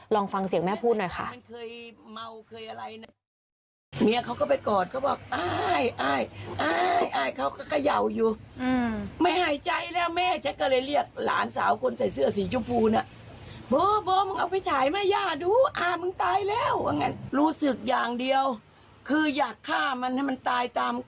ลองฟังเสียงแม่พูดหน่อยค่ะ